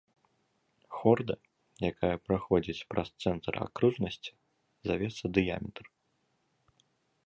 Хорда, якая праходзіць праз цэнтр акружнасці, завецца дыяметр.